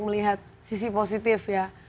melihat sisi positif ya